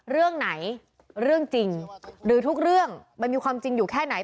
เรื่องไหนเรื่องจริงหรือทุกเรื่องมันมีความจริงอยู่แค่ไหน